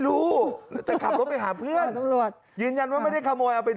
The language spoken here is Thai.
รถติดแล้วติดแล้วเรียบร้อยตำรวจตั้งด่าดักแล้ว